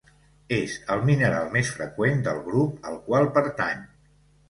És el mineral més freqüent del grup al qual pertany.